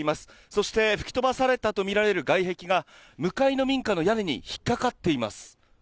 そして吹き飛ばされたと見られる外壁が、向かいの民家の屋根に引っ掛かっています。